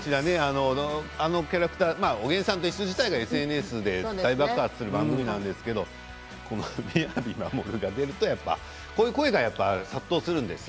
あのキャラクター「おげんさんといっしょ」自体がＳＮＳで大爆発する番組なんですけど雅マモルが出るとこういう声が殺到するんですよ